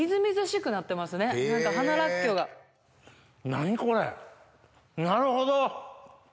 何これなるほど！